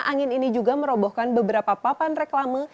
angin ini juga merobohkan beberapa papan reklame